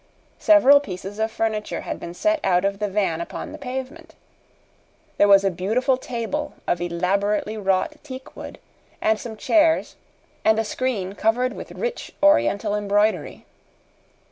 Several pieces of furniture had been set out of the van upon the pavement. There was a beautiful table of elaborately wrought teakwood, and some chairs, and a screen covered with rich Oriental embroidery.